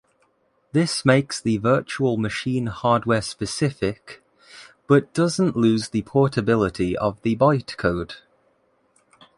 This makes the virtual machine hardware-specific, but doesn't lose the portability of the bytecode.